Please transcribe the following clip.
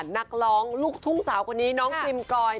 นักร้องลูกทุ่งสาวคนนี้น้องพิมกอย